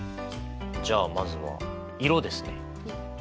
じゃあまずは色ですね。